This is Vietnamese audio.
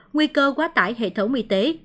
nguy cơ quá tải hệ thống y tế